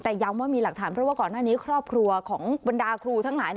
แต่ย้ำว่ามีหลักฐานเพราะว่าก่อนหน้านี้ครอบครัวของบรรดาครูทั้งหลาย